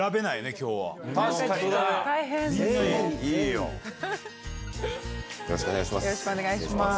よろしくお願いします。